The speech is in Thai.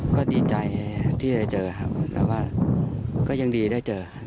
ก็ดีใจที่ได้เจอครับแต่ว่าก็ยังดีได้เจอ